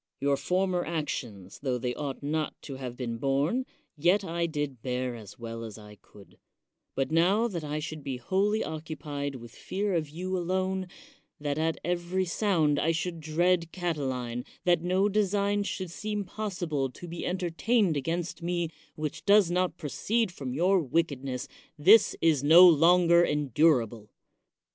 Your former actions, tho they ought not to have been borne, yet I did bear as well as I could ; but now that I should be wholly occupied with fear of you alone, that at every sound I should dread Cati line, that no design should seem possible to be •entertained against me which does not proceed from your wickedness, this is no longer endura ble.